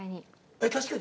えっ「確かに」？